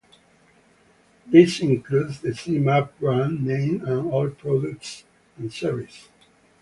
This includes the C-Map brand name and all products and services.